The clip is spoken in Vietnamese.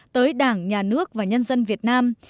tới đảng nhà nước và nhân dân việt nam